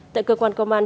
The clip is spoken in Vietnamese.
tại cơ quan công an